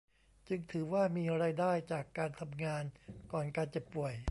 จึงถือว่ามีรายได้จากการทำงานก่อนการเจ็บป่วย